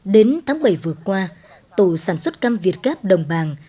đến tháng bảy vừa qua tổ sản xuất cam việt gáp đồng bàng